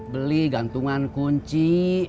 beli gantungan kunci